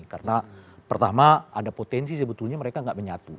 karena pertama ada potensi sebetulnya mereka tidak menyatu